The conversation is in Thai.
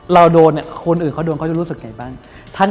เราโดนเนี่ยคนอื่นเขาโดนเขาจะรู้สึกไงบ้าง